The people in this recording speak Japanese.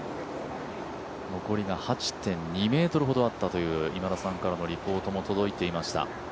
残りが８．２ｍほどあったという今田さんからのリポートも届いていました。